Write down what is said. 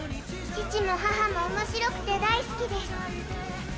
父も母も面白くて大好きです。